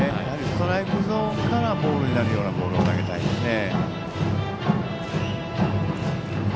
ストライクゾーンからボールになるようなボールを投げたいですね。